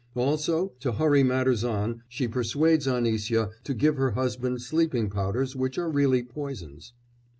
Also, to hurry matters on, she persuades Anisya to give her husband sleeping powders which are really poisons.